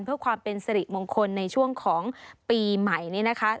เพื่อความเป็นสิริมงคลในช่วงของปีใหม่นี้นะคะ